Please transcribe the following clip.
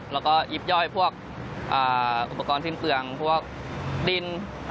แล้วก็ยิบย่อยพวกอุปกรณ์สิ้นเปลืองพวกดิน